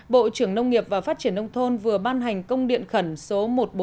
bộ trưởng nông nghiệp và phát triển nông thôn vừa ban hành công điện khẩn số một nghìn bốn trăm bảy mươi năm